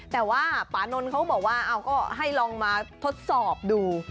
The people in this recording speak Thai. แต่ว่าป่านนท์นะเขาบอกก็ให้ลองมาทดสอบดู